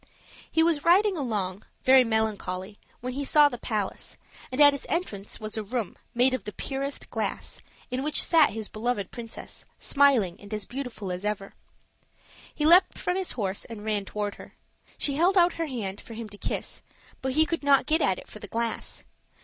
He was riding along, very melancholy, when he saw the palace; and at its entrance was a room, made of the purest glass, in which sat his beloved princess, smiling and beautiful as ever. He leaped from his horse and ran toward her. She held out her hand for him to kiss, but he could not get at it for the glass.